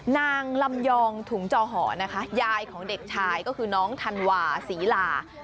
นางลำยองถุงจอหอนะคะยายของเด็กชายก็คือน้องธันวาศรีลา